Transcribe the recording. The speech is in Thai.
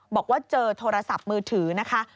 บอกว่าเจอโทรศัพท์มือถือนะคะ